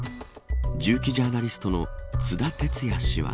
銃器ジャーナリストの津田哲也氏は。